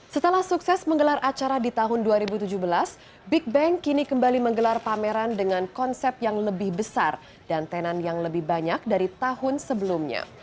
setelah sukses menggelar acara di tahun dua ribu tujuh belas big bang kini kembali menggelar pameran dengan konsep yang lebih besar dan tenan yang lebih banyak dari tahun sebelumnya